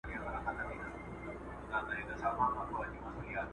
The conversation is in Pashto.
¬ د خېره دي بېزاره يم، سپي دي در گرځوه.